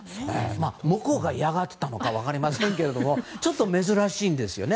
向こうが嫌がってたのか分かりませんけどもちょっと珍しいんですよね。